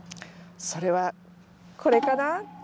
それはこれかな？